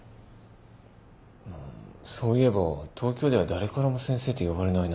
そういえば東京では誰からも先生って呼ばれないな。